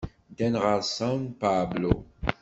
Ddan ɣer San Pablo.